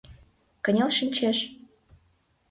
Кынел шинчеш...